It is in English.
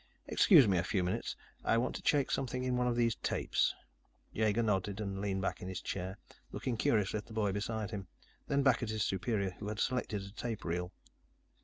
"Excuse me a few minutes. I want to check something in one of these tapes." Jaeger nodded and leaned back in his chair, looking curiously at the boy beside him, then back at his superior, who had selected a tape reel.